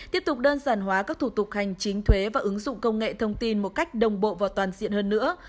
tiếp tục đơn giản hóa các thủ tục hành chính thuế và ứng dụng công nghệ thông tin một cách đồng bộ và toàn diện hơn nữa